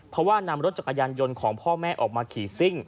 เพราะว่านำรถจักรยานยนต์ของพ่อแม่ออกมาขี่ซิ่ง